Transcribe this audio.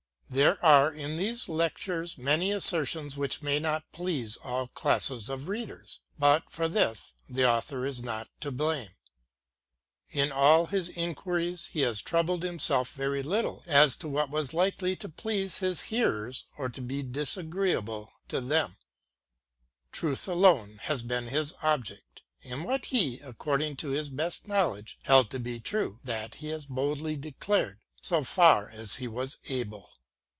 There are in these Lectures many assertions which may not please all classes of readers. But for this the 14 PREFA< Author is not to blame: — in all his inquiries lie has troubled himself very little as to what was likely to please his hearers or to be disagreeable to them : Truth alone has been his object, — and what he, according to his best knowledge, held to be true, that he has boldly declared, so far as he was able.